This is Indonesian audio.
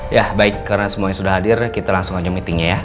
ya baik karena semuanya sudah hadir kita langsung aja meetingnya ya